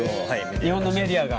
日本のメディアが。